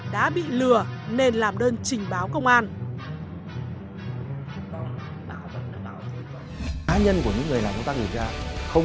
đã bị lừa nên làm đơn trình báo công an